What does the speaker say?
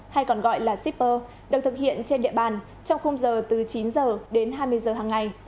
hay còn gọi là shipper được thực hiện trên địa bàn trong khung giờ từ chín h đến hai mươi giờ hằng ngày